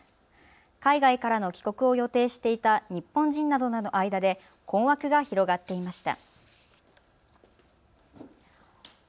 海外からの帰国を予定していた日本人などの間で困惑が広がっていました。